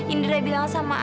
indra bilang sama aku